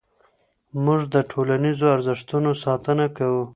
موږ د ټولنیزو ارزښتونو ساتنه کوو.